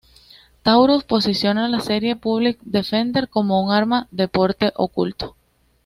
Taurus posiciona la serie Public Defender como un arma de porte oculto.